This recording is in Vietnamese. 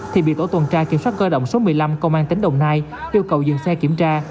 thì bị tổ tuần tra kiểm soát cơ động số một mươi năm công an tỉnh đồng nai yêu cầu dừng xe kiểm tra